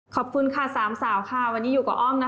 ขอบคุณค่ะสามสาวค่ะวันนี้อยู่กับอ้อมนะคะ